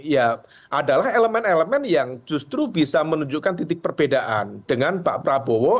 ya adalah elemen elemen yang justru bisa menunjukkan titik perbedaan dengan pak prabowo